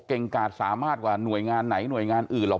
กาดสามารถกว่าหน่วยงานไหนหน่วยงานอื่นหรอก